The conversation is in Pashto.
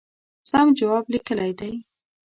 سم جواب لیکلی دی.